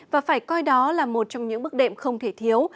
và phải coi đó là một trong những bước đệm không thể thiếu